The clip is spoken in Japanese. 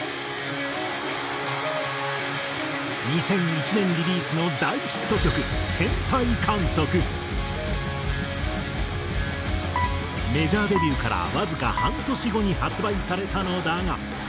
２００１年リリースの大ヒット曲メジャーデビューからわずか半年後に発売されたのだが。